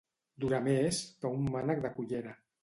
Durar més que un mànec de cullera.